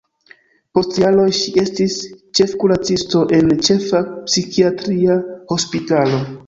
Post jaroj ŝi estis ĉefkuracisto en ĉefa psikiatria hospitalo.